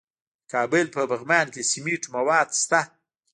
د کابل په پغمان کې د سمنټو مواد شته.